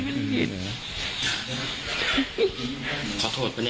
ไม่รู้จริงว่าเกิดอะไรขึ้น